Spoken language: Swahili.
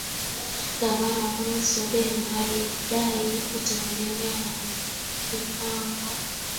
Gavana Von Soden alidai kutoendelea na mapigano